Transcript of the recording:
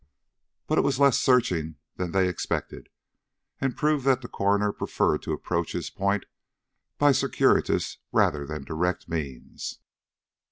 But it was less searching than they expected, and proved that the coroner preferred to approach his point by circuitous rather than direct means.